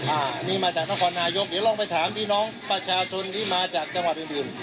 อันนี้มาจากนครนายกเดี๋ยวลองไปถามพี่น้องประชาชนที่มาจากจังหวัดอื่นอื่น